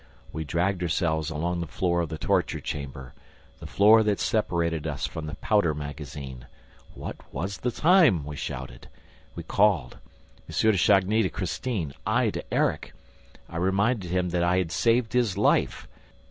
We dragged ourselves along the floor of the torture chamber, the floor that separated us from the powder magazine. What was the time? We shouted, we called: M. de Chagny to Christine, I to Erik. I reminded him that I had saved his life.